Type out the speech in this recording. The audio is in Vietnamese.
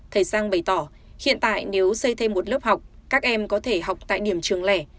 thầy giang bày tỏ hiện tại nếu xây thêm một lớp học các em có thể học tại điểm trường lẻ